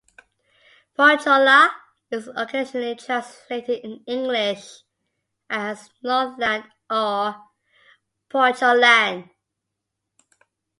"Pohjola" is occasionally translated in English as "Northland" or "Pohjoland".